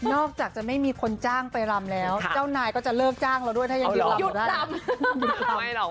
อกจากจะไม่มีคนจ้างไปรำแล้วเจ้านายก็จะเลิกจ้างเราด้วยถ้ายังยืนรำ